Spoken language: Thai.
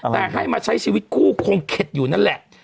แต่ให้มาใช้ชีวิตคู่คงเข็ดอยู่นั่นแหละ